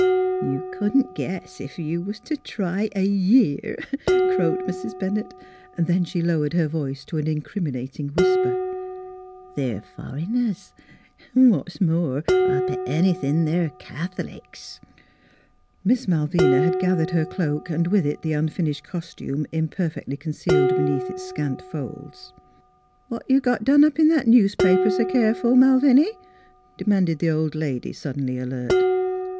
' You couldn't guess ef you was t' try a year," crowed Mrs. Bennett. Then she lowered her voice to an incriminating whisper: " They're fur'ners; an' what's more, Til bet anythin' they're Cath'lics !" Miss Malvina had gathered her cloak and with it the unfinished costume, imperfectly concealed beneath its scant folds. NEIGHBORS 43 " What you got done up in that newspaper s' keerful, Malviny?" demanded the old lady, sud denly alert.